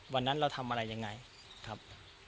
วันนั้นเราทำอะไรยังไงครับ